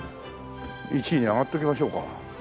１位に上がっときましょうか。